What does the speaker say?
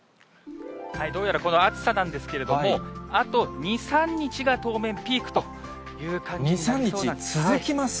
どうやらこの暑さなんですけれども、あと２、３日が当面、ピークという感じになりそうなんです。